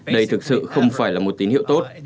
đây thực sự không phải là một tín hiệu tốt